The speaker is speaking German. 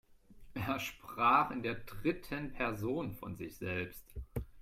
Er sprach in der dritten Person von sich selbst.